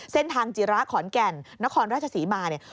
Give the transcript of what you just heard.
เส้นทางจิระขอนแก่นนครราชศรีมาเนี่ย